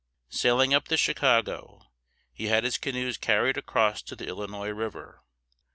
Sailing up the Chicago, he had his canoes carried across to the Illinois River.